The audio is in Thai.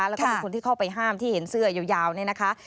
แล้วก็เป็นคนที่เข้าไปห้ามที่เห็นเสื้อยาวนี่นะคะ